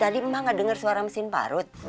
tadi mbak gak denger suara mesin parut